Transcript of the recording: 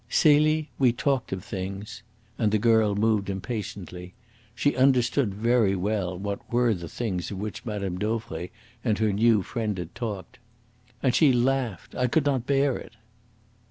"Celie, we talked of things"; and the girl moved impatiently. She understood very well what were the things of which Mme. Dauvray and her new friend had talked. "And she laughed. ... I could not bear it."